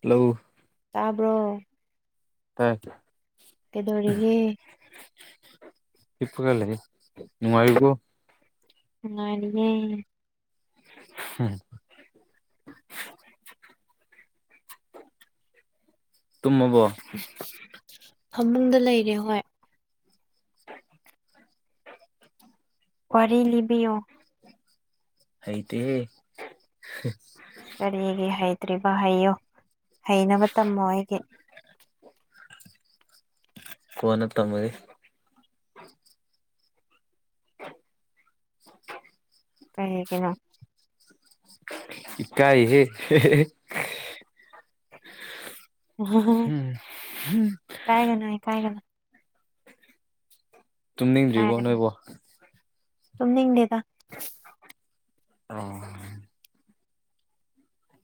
hello ꯇꯥꯕ꯭ꯔꯣ ꯇꯥꯏ ꯇꯥꯏ ꯀꯩꯗꯧꯔꯤꯒꯦ ꯍꯤꯞꯄꯒ ꯂꯩꯥꯌꯦ ꯅꯨꯉꯥꯏꯔꯤꯕꯣ ꯅꯨꯉꯥꯏꯔꯤꯌꯦ ꯍꯝꯍ ꯇꯨꯝꯃꯕꯣ ꯐꯃꯨꯡꯗ ꯂꯩꯔꯦ ꯍꯣꯏ [unintelligible] ꯋꯥꯔꯤ ꯂꯤꯕꯤꯌꯣ ꯍꯩꯇꯦ ꯍꯦ ꯀꯔꯤꯒꯤ ꯍꯩꯇ꯭ꯔꯤꯕ ꯍꯩꯌꯣ ꯍꯩꯅꯕ ꯇꯝꯃꯣ ꯑꯩꯒꯤ ꯀꯣꯟꯅ ꯇꯝꯃꯒꯦ [inaudible] ꯀꯔꯤꯒꯤꯅꯣ ꯏꯀꯥꯏꯍꯦ ꯍꯦꯍꯦ ꯎꯝ ꯍꯨꯝ ꯏꯀꯥꯏꯒꯅꯨ ꯏꯀꯥꯏꯒꯅꯨ ꯇꯨꯝꯅꯤꯡꯗ꯭ꯔꯤꯕꯣ ꯏꯀꯥꯏꯔꯒ ꯅꯣꯏꯕꯣ ꯇꯨꯝꯅꯤꯡꯗꯦꯗ ꯑꯣ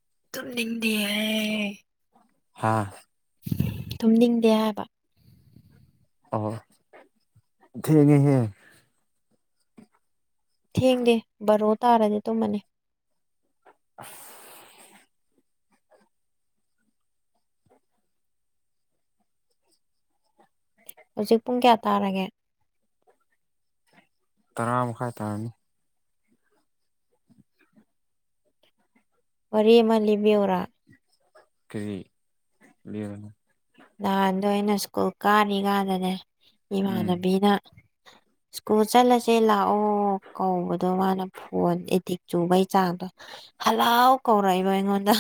ꯇꯨꯝꯅꯤꯡꯗꯤꯌꯦ ꯍꯥꯥ ꯇꯨꯝꯅꯤꯡꯗꯦ ꯍꯥꯏꯕ ꯑꯣ ꯊꯦꯡꯉꯦꯍꯦ ꯊꯦꯡꯗꯦ ꯕꯔꯣ ꯇꯥꯔꯗꯤ ꯇꯨꯝꯃꯅꯤ ꯑꯁ ꯍꯧꯖꯤꯛ ꯄꯨꯡ ꯀꯌꯥ ꯇꯥꯔꯒꯦ ꯇꯥꯔ ꯃꯈꯥꯏ ꯇꯥꯔꯝꯅꯤ ꯋꯥꯔꯤ ꯑꯃ ꯂꯤꯕꯤꯌꯣꯔ ꯀꯔꯤ ꯂꯤꯌꯣꯅꯦ ꯅꯍꯥꯟꯗꯣ ꯑꯩꯅ ꯁ꯭ꯀꯨꯜ ꯀꯥꯅꯤꯒꯅꯅꯦ ꯎꯝ ꯏꯃꯥꯟꯅꯕꯤꯅ [inaudible] ꯁ꯭ꯀꯨꯜ ꯆꯠꯂꯁꯦ ꯂꯥꯛꯑꯣ ꯀꯧꯕꯗꯣ ꯃꯥꯅ ꯐꯣꯟ ꯑꯦꯗꯤꯛ ꯆꯨꯕꯒꯤ ꯆꯥꯡꯗꯣ ꯍꯜꯂꯥꯎ ꯀꯧꯔꯛꯏꯕ ꯑꯩꯉꯣꯟꯗ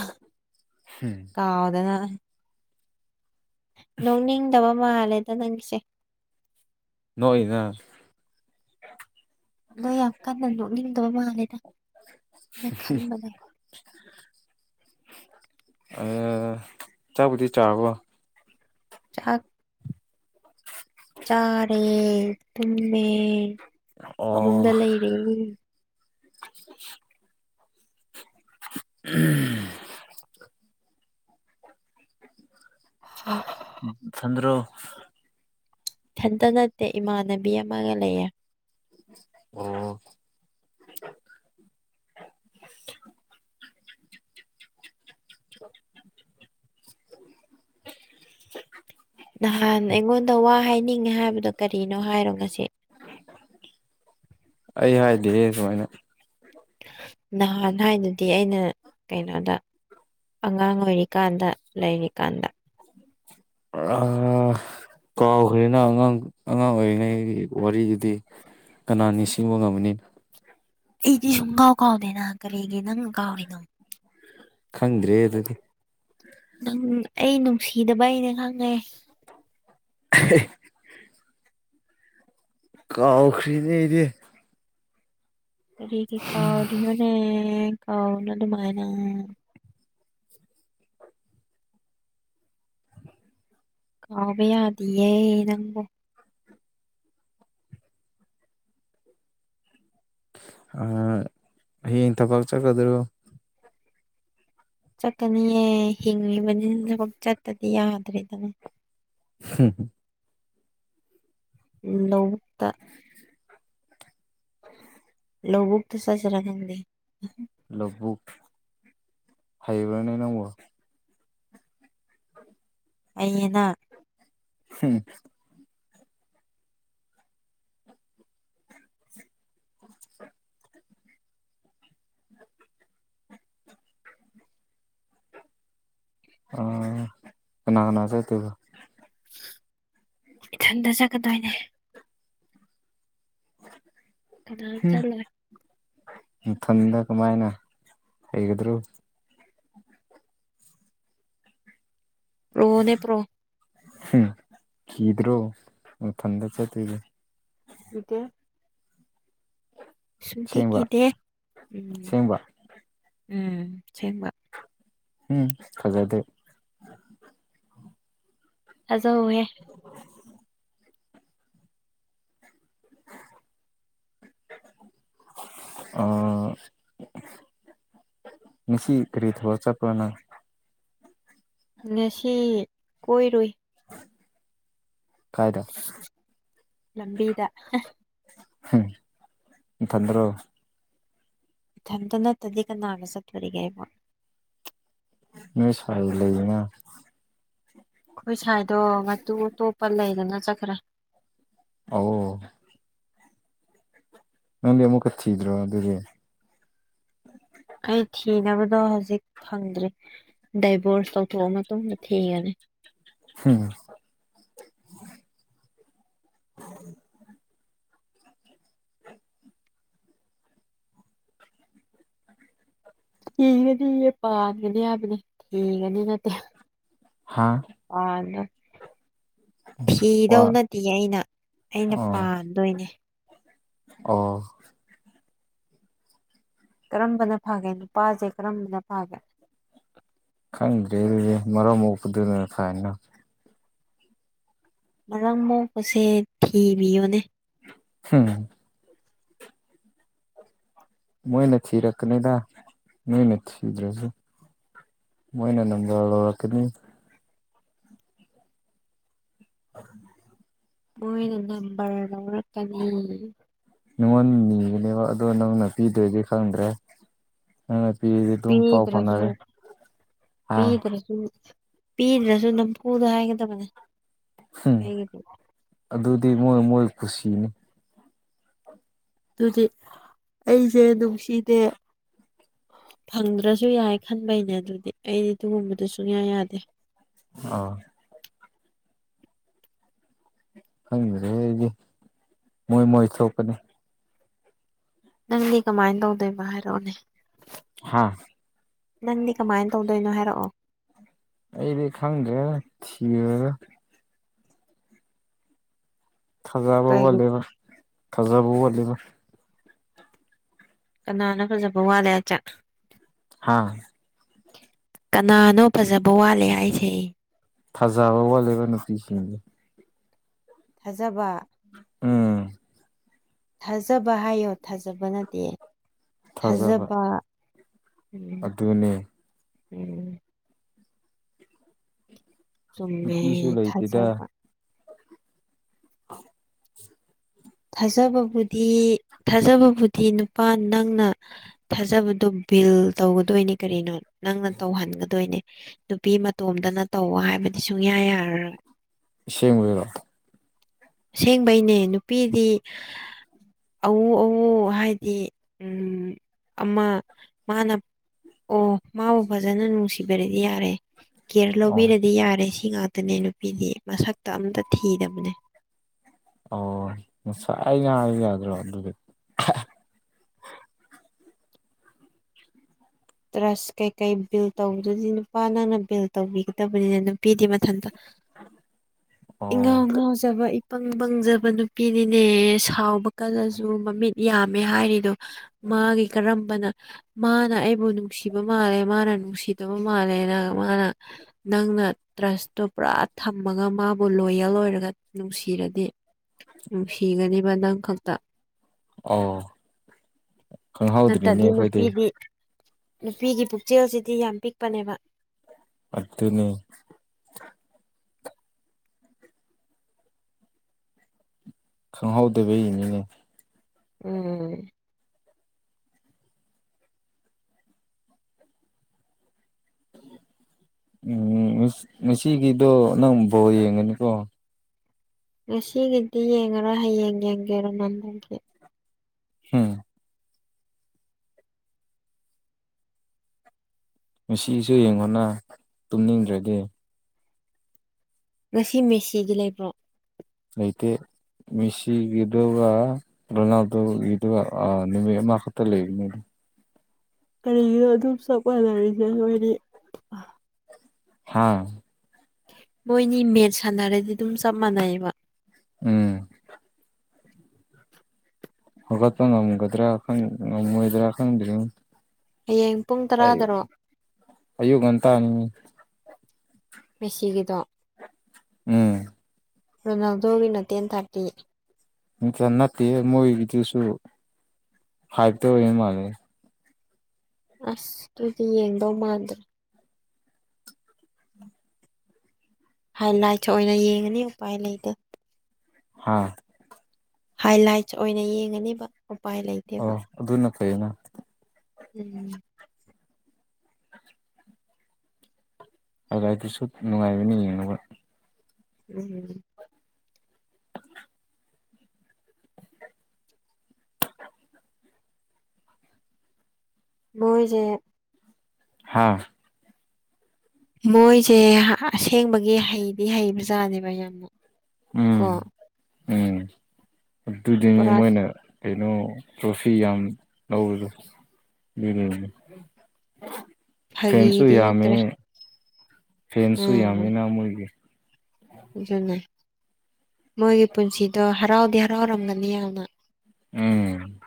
ꯍꯨꯝ ꯀꯥꯎꯗꯅ ꯅꯣꯛꯅꯤꯡꯗꯕ ꯃꯥꯜꯂꯦꯗ ꯅꯪꯒꯤꯁꯦ ꯅꯣꯛꯏꯔ ꯅꯣꯏ ꯌꯥꯝ ꯀꯟꯅ ꯅꯣꯛꯅꯤꯡꯗꯕ ꯃꯜꯂꯦꯗ ꯅꯦ ꯈꯟꯕꯗ ꯑꯥ ꯆꯥꯛꯕꯨꯗꯤ ꯆꯥꯔꯕꯣ ꯆꯥꯛ ꯆꯥꯔꯦ ꯇꯨꯝꯃꯦ ꯐꯃꯨꯡꯗ ꯑꯣ ꯂꯩꯔꯦ [unintelligible] ꯅꯊꯟꯗꯔꯣ ꯏꯊꯟꯇ ꯅꯠꯇꯦ ꯏꯃꯥꯟꯅꯕꯤ ꯑꯃꯒ ꯂꯩꯌꯦ ꯑꯣ [inaudible] ꯅꯍꯥꯟ ꯑꯩꯉꯣꯟꯗ ꯋꯥ ꯍꯥꯏꯅꯤꯡꯉꯦ ꯍꯥꯏꯕꯗꯣ ꯀꯔꯤꯅꯣ ꯍꯥꯏꯔꯣ ꯉꯁꯤ ꯑꯩ ꯍꯥꯏꯗꯦꯍꯦ ꯗꯨꯃꯥꯏꯅ ꯅꯍꯥꯟ ꯍꯥꯏꯗꯨꯗꯤ ꯑꯩꯅ ꯀꯩꯅꯣꯗ ꯑꯉꯥꯡ ꯑꯣꯏꯔꯤꯀꯥꯟꯗ ꯂꯩꯔꯤꯀꯥꯟꯗ ꯑꯥ ꯀꯥꯎꯈ꯭ꯔꯦꯅ ꯅꯪ ꯑꯉꯥꯡ ꯑꯉꯥꯡ ꯑꯣꯏꯔꯤꯉꯩꯒꯤ ꯋꯥꯔꯤꯗꯨꯗꯤ ꯀꯥꯅ ꯅꯤꯡꯁꯤꯡꯕ ꯉꯝꯃꯅꯤ ꯑꯩꯗꯤ ꯁꯨꯡ ꯀꯥꯎ ꯀꯥꯎꯗꯦꯅ ꯀꯔꯤꯒꯤ ꯅꯪꯅ ꯀꯥꯎꯔꯤꯅꯣ ꯈꯪꯗ꯭ꯔꯦ ꯍꯦ ꯑꯗꯨꯗꯤ ꯅꯪ ꯑꯩ ꯅꯨꯡꯁꯤꯗꯕꯩꯅꯦ ꯈꯪꯉꯦ ꯍꯦ ꯍꯦ ꯀꯥꯎꯈ꯭ꯔꯦꯅꯦ ꯑꯩꯗꯤ ꯀꯔꯤꯒꯤ ꯀꯥꯎꯔꯤꯅꯣꯅꯦ ꯀꯥꯎꯅꯨ ꯑꯗꯨꯃꯥꯏꯅ ꯀꯥꯎꯕ ꯌꯥꯗꯤꯌꯦ ꯅꯪꯕꯣ ꯑꯥ ꯍꯌꯦꯡ ꯊꯕꯛ ꯆꯠꯀꯗ꯭ꯔꯣ ꯆꯠꯀꯅꯤꯌꯦ ꯍꯤꯡꯂꯤꯕꯅꯤꯅ ꯊꯕꯛ ꯆꯠꯇꯗꯤ ꯌꯥꯗ꯭ꯔꯦꯗꯅ ꯍꯝ ꯂꯧꯕꯨꯛꯇ ꯂꯧꯕꯨꯛꯇ ꯆꯠꯁꯤꯔ ꯈꯪꯗꯦ ꯂꯧꯕꯨꯛ ꯍꯩꯕ꯭ꯔꯅꯦ ꯅꯪꯕꯨ [inaudible] ꯍꯩꯌꯦꯅ ꯍꯝ [inaudible] [inaudible] ꯑꯥ ꯀꯥꯅ ꯀꯥꯅ ꯆꯠꯇꯣꯏꯕ ꯏꯊꯟꯇ ꯆꯠꯀꯗꯣꯏꯅꯦ ꯀꯅꯥꯝ ꯆꯠꯂꯣꯏ ꯊꯟꯗ ꯀꯃꯥꯏꯅ ꯍꯩꯒꯗ꯭ꯔꯣ ꯄ꯭ꯔꯣꯅꯦ ꯄ꯭ꯔꯣ ꯀꯤꯗ꯭ꯔꯣ ꯅꯊꯟꯗ ꯆꯠꯇꯣꯏꯗꯣ ꯀꯤꯗꯦ ꯑꯁꯦꯡꯕ ꯁꯨꯡꯀꯤꯀꯤꯗꯦ ꯎꯝ ꯑꯁꯦꯡꯕ ꯎꯝ ꯁꯦꯡꯕ ꯎꯝ ꯊꯥꯖꯗꯦ ꯊꯥꯖꯧꯍꯦ ꯑꯥ ꯉꯁꯤ ꯀꯔꯤ ꯊꯕꯛ ꯆꯠꯄ꯭ꯔꯥ ꯅꯪ ꯉꯁꯤ ꯀꯣꯏꯔꯨꯏ ꯀꯥꯏꯗ ꯂꯝꯕꯤꯗ ꯍꯝ ꯅꯊꯟꯗꯔꯣ ꯏꯊꯟꯗ ꯅꯠꯇ꯭ꯔꯥꯗꯤ ꯀꯥꯅꯥꯒ ꯆꯠꯇꯧꯔꯤꯒꯦ ꯑꯩꯕꯨ ꯅꯣꯏ ꯁꯥꯏ ꯂꯩꯗꯅ ꯑꯈꯣꯏ ꯁꯥꯏꯗꯣ ꯃꯇꯨ ꯑꯇꯣꯞꯄ ꯂꯩꯗꯅ ꯆꯠꯈ꯭ꯔꯦ ꯑꯥ ꯋꯣ ꯅꯪꯗꯤ ꯑꯃꯨꯛꯀ ꯊꯤꯗ꯭ꯔꯣ ꯑꯗꯨꯗꯤ ꯑꯩ ꯊꯤꯅꯕꯗꯣ ꯍꯧꯖꯤꯛ ꯐꯪꯗ꯭ꯔꯤ ꯗꯥꯏꯞ ꯕꯣꯔꯁ ꯇꯧꯊꯣꯛꯑ ꯃꯇꯨꯡ ꯊꯤꯔꯅꯤ ꯍꯝ ꯊꯤꯒꯅꯤꯌꯦ ꯄꯥꯟꯒꯅꯤ ꯍꯥꯏꯕꯅꯦ ꯊꯤꯒꯅꯤ ꯅꯠꯇꯦ ꯍꯥ ꯄꯥꯟꯕ ꯊꯤꯗꯧ ꯋꯥ ꯅꯠꯇꯤꯌꯦ ꯑꯩꯅ ꯑꯩꯅ ꯑꯣ ꯄꯥꯟꯗꯣꯏꯅꯦ ꯑꯣ ꯀꯔꯝꯕꯅ ꯐꯒꯦ ꯅꯨꯄꯥꯁꯦ ꯀꯔꯝꯕꯅ ꯐꯒꯦ ꯈꯪꯗ꯭ꯔꯦ ꯍꯦ ꯑꯗꯨꯗꯤ ꯃꯔꯝ ꯃꯣꯛꯄꯗꯨꯅ ꯐꯥꯍꯟꯅ ꯃꯔꯝ ꯃꯣꯛꯄꯁꯦ ꯊꯤꯕꯤꯌꯣꯅꯦ ꯍꯨꯝ ꯃꯣꯏꯅ ꯊꯤꯔꯛꯀꯅꯤꯗ ꯅꯣꯢꯅ ꯊꯤꯗ꯭ꯔꯁꯨ ꯃꯣꯏꯅ ꯅꯝꯕꯔ ꯂꯧꯔꯛꯀꯅꯤ [inaudible] ꯃꯣꯏꯅ ꯅꯝꯕꯔ ꯂꯧꯔꯀꯅꯤ ꯅꯪꯉꯣꯟꯗ ꯅꯤꯒꯅꯤꯕ ꯑꯗꯣ ꯅꯪꯅ ꯄꯤꯗ꯭ꯔꯗꯤ ꯈꯪꯗ꯭ꯔꯦ ꯅꯪꯅ ꯄꯤꯔꯗꯤ ꯑꯗꯨꯝ ꯄꯥꯎ ꯄꯤꯗ꯭ꯔꯁꯨ ꯐꯥꯎꯅꯔꯦ ꯑ ꯄꯤꯗ꯭ꯔꯁꯨ ꯄꯤꯗ꯭ꯔꯁꯨ ꯅꯝꯐꯨꯗ ꯍꯥꯏꯒꯗꯕꯅꯦ ꯍꯝ ꯑꯩꯒꯤꯗꯤ ꯑꯗꯨꯗꯤ ꯃꯣꯏ ꯃꯣꯏ ꯀꯨꯁꯤꯅꯦ ꯑꯗꯨꯗꯤ ꯑꯩꯁꯦ ꯅꯨꯡꯁꯤꯗꯦ ꯐꯪꯗ꯭ꯔꯁꯨ ꯌꯥꯏ ꯈꯟꯕꯩꯅꯦ ꯑꯗꯨꯗꯤ ꯑꯩꯗꯤ ꯑꯗꯨꯒꯨꯝꯕꯗꯨ ꯁꯨꯛꯌꯥ ꯌꯥꯗꯦ ꯑꯣ ꯈꯪꯗ꯭ꯔꯦ ꯑꯩꯗꯤ ꯃꯣꯏ ꯃꯣꯏ ꯊꯣꯛꯄꯅꯦ ꯅꯪꯗꯤ ꯀꯃꯥꯏꯅ ꯇꯧꯗꯣꯏꯕ ꯍꯥꯏꯔꯛꯑꯣꯅꯦ ꯍꯥꯥ ꯅꯪꯗꯤ ꯀꯃꯥꯏꯅ ꯇꯧꯗꯣꯏꯅꯣ ꯍꯥꯏꯔꯛꯑꯣ ꯑꯩꯗꯤ ꯈꯪꯗ꯭ꯔꯦꯗ ꯊꯤꯔꯒ ꯊꯥꯖꯕ ꯀꯩꯒꯤ ꯋꯥꯠꯂꯦꯕ ꯊꯥꯖꯕ ꯋꯥꯠꯂꯦꯕ ꯀꯅꯥꯅꯣ ꯀꯖꯕ ꯋꯥꯠꯂꯦ ꯍꯥꯢꯆꯦ ꯍꯥꯥ ꯀꯅꯥꯅꯣ ꯐꯖꯕ ꯋꯥꯠꯂꯦ ꯍꯥꯏꯁꯦ ꯊꯥꯖꯥꯕ ꯋꯥꯠꯂꯦꯕ ꯅꯨꯄꯤꯁꯤꯡ ꯊꯥꯖꯕ ꯎꯝ ꯊꯥꯖꯕ ꯍꯥꯏꯌꯣ ꯊꯥꯖꯕ ꯅꯠꯇꯦ ꯊꯥꯖꯕ ꯎꯝ ꯑꯗꯨꯅꯦ ꯎꯝ ꯆꯨꯝꯃꯦ ꯅꯨꯄꯤꯁꯨ ꯂꯩꯇꯦꯗ ꯊꯥꯖꯕ [inaudible] ꯊꯥꯖꯕꯕꯨꯗꯤ ꯊꯥꯖꯕꯕꯨꯗꯤ ꯅꯨꯄꯥ ꯅꯪꯅ ꯊꯥꯖꯕꯗꯨꯝ ꯄꯤꯜ ꯇꯧꯒꯗꯣꯏꯅꯦ ꯀꯔꯤꯅꯣ ꯅꯪꯅ ꯇꯧꯍꯟꯒꯗꯣꯏꯅꯦ ꯅꯨꯄꯤ ꯃꯇꯣꯝꯗꯅ ꯇꯧ ꯍꯥꯏꯕ ꯑꯩꯗꯤ ꯁꯨꯡꯌꯥ ꯌꯥꯔꯔꯣꯢ ꯑꯁꯦꯡꯕꯩꯔꯣ ꯑꯁꯦꯡꯕꯩꯅꯦ ꯅꯨꯄꯤꯗꯤ ꯍꯥ ꯑꯋꯨ ꯑꯋꯨ ꯍꯥꯏꯗꯤ ꯎꯝ ꯑꯃ ꯃꯥꯅ ꯑꯣ ꯃꯥꯕꯨ ꯐꯖꯅ ꯅꯨꯡꯁꯤꯕꯤꯔꯗꯤ ꯌꯥꯔꯦ ꯀꯦꯌꯔ ꯑꯣ ꯂꯧꯕꯤꯔꯗꯤ ꯌꯥꯔꯦ ꯁꯤ ꯉꯥꯛꯇꯅꯦ ꯅꯨꯄꯤꯗꯤ ꯃꯁꯛꯇ ꯑꯝꯇ ꯊꯤꯗꯕꯅꯦ ꯁꯥꯏꯅ ꯍꯥꯏꯕ ꯆꯍꯄꯗ꯭ꯔꯣ ꯑꯗꯨꯗꯤ ꯇ꯭ꯔꯁ ꯀꯩꯀꯩ ꯕꯤꯜ ꯇꯧꯕꯗꯨꯗꯤ ꯅꯨꯄꯥ ꯅꯪꯅ ꯕꯤꯜ ꯇꯧꯕꯤꯒꯗꯕꯅꯤꯅ ꯅꯨꯄꯤꯗꯤ ꯃꯊꯟꯇ [inaudible] ꯏꯪꯉꯥꯎ ꯑꯣ ꯉꯥꯎꯖꯕ ꯏꯄꯪ ꯄꯪꯖꯕ ꯅꯨꯄꯤꯅꯤꯅꯦ ꯁꯥꯎꯕ ꯀꯂꯁꯨ ꯃꯃꯤꯠ ꯌꯥꯝꯃꯦ ꯍꯥꯏꯔꯤꯗꯣ ꯃꯥꯒꯤ ꯀꯔꯝꯕꯅ ꯃꯥꯅ ꯑꯩꯕꯨ ꯅꯨꯡꯁꯤꯕ ꯃꯥꯜꯂꯦ ꯃꯥꯅ ꯅꯨꯡꯁꯤꯗꯕ ꯃꯥꯜꯂꯦꯅ ꯃꯥꯅ ꯅꯪꯅ ꯇ꯭ꯔꯁꯇꯣ ꯄꯨꯔꯥ ꯊꯝꯃꯒ ꯃꯥꯕꯨ ꯂꯣꯌꯦꯜ ꯑꯣꯏꯔꯒ ꯅꯨꯡꯁꯤꯔꯗꯤ ꯅꯨꯡꯁꯤꯒꯅꯦꯕꯥꯥꯥ ꯅꯪ ꯈꯛꯇ ꯑꯣ ꯈꯪꯍꯧꯗ꯭ꯔꯤꯅꯦ ꯅꯠꯇꯗꯤ ꯑꯩꯈꯣꯏꯗꯤ ꯅꯨꯄꯤꯗꯤ ꯅꯨꯄꯤꯒꯤ ꯄꯨꯛꯆꯦꯜꯁꯤꯗꯤ ꯌꯥꯝ ꯄꯤꯛꯄꯅꯦꯕ ꯑꯗꯨꯅꯦ ꯈꯪꯍꯧꯗꯕꯒꯤꯅꯤꯅꯦ ꯎꯝ ꯎꯝ ꯉꯁꯤꯒꯤꯗꯣ ꯅꯪ ꯕꯣꯝ ꯌꯦꯡꯒꯅꯤꯀꯣ ꯉꯁꯤꯒꯤꯗꯤ ꯌꯦꯡꯉꯔꯣ ꯍꯌꯦꯡ ꯌꯦꯡꯒꯦ ꯔꯣꯅꯥꯟꯗꯣꯒꯤ ꯍꯨꯝ ꯉꯁꯤꯁꯨ ꯌꯦꯡꯉꯣꯅ ꯇꯨꯝꯅꯤꯡꯗ꯭ꯔꯗꯤ ꯉꯁꯤ ꯃꯦꯁꯤꯒꯤ ꯂꯩꯕ꯭ꯔꯣ ꯂꯩꯇꯦ ꯃꯤꯁꯤꯒꯗꯨꯔ ꯔꯣꯅꯥꯜꯗꯣꯒꯤꯗꯨꯔ ꯑꯥ ꯅꯨꯃꯤꯠ ꯑꯃ ꯈꯛꯇ ꯂꯩꯕꯅꯤꯗ ꯀꯔꯤꯒꯤꯅꯣ ꯑꯗꯨꯝ ꯆꯞ ꯃꯥꯟꯅꯔꯤꯁꯦ ꯃꯣꯏꯅꯤ ꯍꯥꯥ ꯃꯣꯏꯅꯤ ꯃꯦꯠꯁ ꯁꯥꯟꯅꯔꯗꯤ ꯑꯗꯨꯝ ꯆꯞ ꯃꯥꯟꯅꯩꯕ ꯎꯝ ꯍꯧꯒꯠ ꯅꯝꯒꯗ꯭ꯔꯥ ꯈꯪ ꯉꯝꯃꯣꯏꯗ꯭ꯔꯥ ꯈꯪꯗ꯭ꯔꯦꯅꯦ ꯍꯌꯦꯡ ꯄꯨꯡ ꯑꯩ ꯇꯔꯥꯗꯔꯣ ꯑꯌꯨꯛ ꯉꯟꯇ ꯅꯤꯅꯦ ꯃꯦꯁꯤꯒꯤꯗꯣ ꯎꯝ ꯔꯣꯅꯥꯜꯗꯣꯒꯤꯅ ꯇꯦꯟ ꯊꯥꯔꯇꯤ [unintelligible] ꯅꯠꯇꯦ ꯃꯣꯏꯒꯤꯗꯨꯁꯨ ꯍꯥꯏꯠꯇꯣ ꯌꯦꯡ ꯃꯥꯜꯂꯦ ꯑꯁ ꯑꯗꯨꯨꯗꯤ ꯌꯦꯡꯗꯧ ꯃꯥꯟꯗꯦ ꯍꯥꯏ ꯂꯥꯏꯠ ꯑꯣꯏꯅ ꯌꯦꯡꯉꯅꯤ ꯎꯄꯥꯏ ꯂꯩꯇꯦ ꯍꯥꯥ ꯍꯥꯏꯂꯥꯏꯠꯁ ꯑꯣꯏꯅ ꯌꯦꯡꯉꯅꯤꯕ ꯎꯄꯥꯏ ꯂꯩꯇꯦꯕ ꯑꯣ ꯑꯗꯨꯅ ꯐꯩꯅ ꯎꯝ ꯍꯥꯢꯂꯥꯠꯗꯨꯁꯨ ꯅꯨꯡꯉꯥꯏꯕꯅꯤ ꯌꯦꯡꯕ ꯎꯝ ꯃꯣꯢꯖꯦ ꯍꯥꯥ ꯃꯣꯏꯖꯦ ꯑꯁꯦꯡꯕꯒꯤ ꯍꯩꯗꯤ ꯍꯩꯕꯖꯥꯅꯦꯕ ꯌꯥꯝꯅ ꯀꯣ ꯎꯝ ꯎꯝ ꯑꯗꯨꯗꯤ ꯃꯤ ꯄꯨꯔꯥ ꯃꯣꯏꯅ ꯀꯩꯅꯣ ꯇ꯭ꯔꯣꯐꯤ ꯌꯥꯝ ꯂꯧꯔꯤꯗꯣ [unintelligible] ꯐꯦꯟꯁꯨ ꯐꯥꯒꯤꯗꯤ ꯌꯥꯝꯃꯦ ꯅꯠꯇ꯭ꯔꯦ ꯐꯦꯟꯁꯨ ꯎꯝ ꯌꯥꯝꯃꯦꯅ ꯃꯣꯏꯒꯤ ꯑꯗꯨꯅꯦ ꯃꯣꯏꯒꯤ ꯄꯨꯟꯁꯤꯗꯣ ꯍꯔꯥꯎꯗꯤ ꯍꯔꯥꯎꯔꯝꯒꯅꯤ ꯌꯥꯝꯅ ꯎꯝ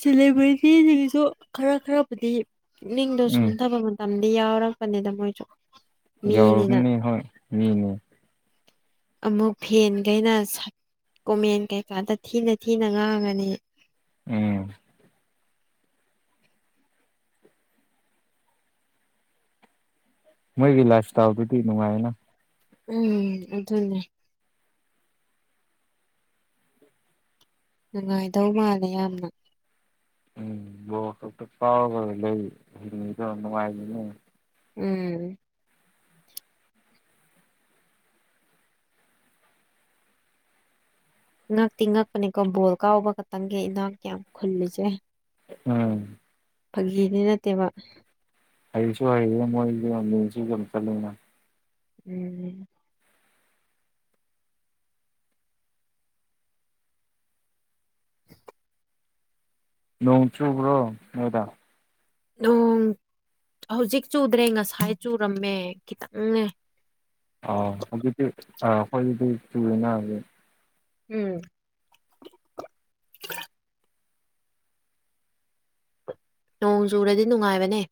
ꯁꯦꯂꯦꯕ꯭ꯔꯤꯇꯤꯁꯤꯒꯤꯁꯨ ꯈꯔ ꯈꯔꯕꯨꯗꯤ ꯄꯨꯛꯅꯤꯡꯗꯣ ꯎꯝ ꯁꯣꯟꯊꯕ ꯃꯇꯝ ꯌꯥꯎꯔꯛ ꯄꯅꯤꯗ ꯃꯣꯏꯁꯨ ꯃꯤꯅꯤꯅ ꯌꯧꯔꯝꯅꯤ ꯍꯣꯏ ꯃꯤꯅꯦ ꯑꯃꯨꯛ ꯐꯦꯟꯒꯩꯅ ꯁꯠ ꯀꯣꯃꯦꯟ ꯀꯩꯀꯥꯗ ꯊꯤꯅ ꯊꯤꯅ ꯉꯥꯡꯉꯅꯤ ꯎꯝ ꯃꯣꯏꯒꯤ ꯂꯥꯐ꯭ꯏꯁꯇꯥꯜ ꯗꯨꯗꯤ ꯅꯨꯡꯉꯥꯏꯅ ꯎꯝ ꯑꯗꯨꯅꯦ ꯅꯨꯡꯉꯥꯏꯗꯧ ꯃꯥꯜꯂꯦ ꯌꯥꯝꯅ ꯎꯝ [unintelligible] ꯎꯝ ꯉꯛꯇꯤ ꯉꯛꯄꯅꯦꯀꯣ ꯕꯣꯜ ꯀꯥꯎꯕ ꯈꯛꯇꯪꯒꯤ ꯏꯅꯥꯛ ꯌꯥꯝ ꯈꯨꯜꯂꯤꯁꯦ ꯎꯝ ꯐꯒꯤꯗꯤ ꯅꯠꯇꯦꯕ ꯍꯩꯁꯨ ꯍꯩꯍꯧꯕ ꯃꯣꯏꯖꯦ [unintelligible] ꯎꯝ ꯅꯣꯡ ꯆꯨꯕ꯭ꯔꯣ ꯅꯣꯏꯗꯥ ꯅꯣꯡ ꯍꯧꯖꯤꯛ ꯆꯨꯗ꯭ꯔꯦ ꯉꯁꯥꯏ ꯆꯨꯔꯝꯃꯦ ꯈꯤꯇꯪꯅꯦ ꯑꯥ ꯍꯧꯖꯤꯛꯇꯤ ꯑꯥ ꯈꯣꯏꯅꯤꯗꯤ ꯁꯨꯝ ꯂꯦꯏꯅꯕꯦ ꯎꯝ ꯅꯣꯡ ꯆꯨꯔꯗꯤ ꯅꯨꯡꯉꯥꯏꯕꯅꯦ